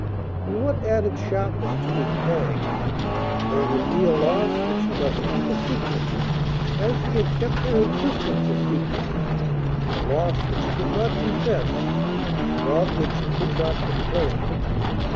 And, what added sharpness to his pangs, they would be a loss which he must keep a secret, as he had kept their existence a secret, a loss which he could not confess, and of which he could not complain.